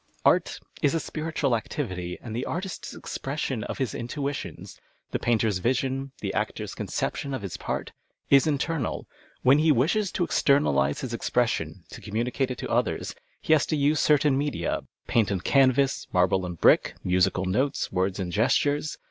"' Art is a spiritual activity, and the artist's expression of his intuitions (the jmintcr's " vision," the actor's " conception "' of his part) is internal ; when he wishes to exter nalize his expression, to conununicate it to others, he has to use certain media — paint and canvas, marble and brick, musical notes, words and gestures.